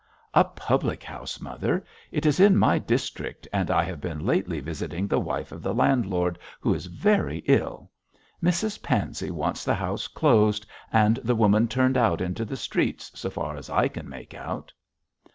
'A public house, mother; it is in my district, and I have been lately visiting the wife of the landlord, who is very ill. Mrs Pansey wants the house closed and the woman turned out into the streets, so far as I can make out!'